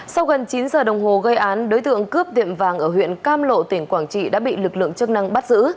sau gần chín giờ đồng hồ gây án đối tượng cướp tiệm vàng ở huyện cam lộ tỉnh quảng trị đã bị lực lượng chức năng bắt giữ